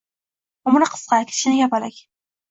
Umri qisqa, kichkina kapalak